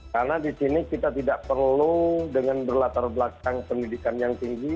karena disini kita tidak perlu dengan berlatar belakang pendidikan yang tinggi